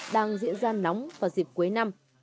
đang diễn ra nóng vào dịp cuối năm